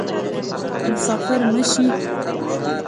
مسافر مه شي